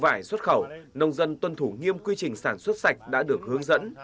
vải xuất khẩu nông dân tuân thủ nghiêm quy trình sản xuất sạch đã được hướng dẫn